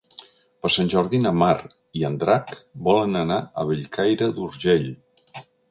Per Sant Jordi na Mar i en Drac volen anar a Bellcaire d'Urgell.